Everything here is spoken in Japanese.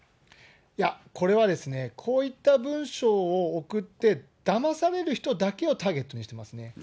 いや、これはですね、こういった文書を送って、だまされる人だけをターゲットにしてますね。